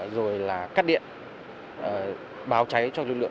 rồi là cắt điện báo cháy cho dân